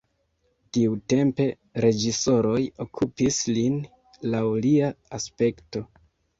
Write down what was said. Tiutempe reĝisoroj okupis lin laŭ lia aspekto.